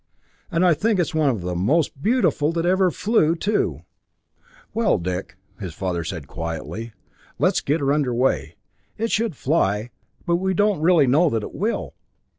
And I think it's one of the most beautiful that ever flew, too." "Well, Dick," said his father quietly, "let's get under way. It should fly but we don't really know that it will!"